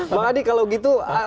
bang adi kalau gitu